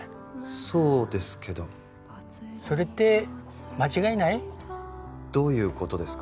そうですけどそれって間違いない？どういうことですか？